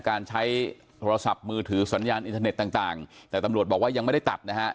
การใช้โทรศัพท์มือถือสัญญาณอินเทอร์เน็ตต่างแต่ตำรวจบอกว่ายังไม่ได้ตัดนะฮะ